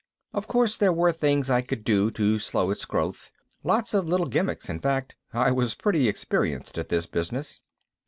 Of course there were things I could do to slow its growth, lots of little gimmicks, in fact I was pretty experienced at this business.